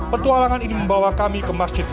petualangan ini membawa kami ke masjid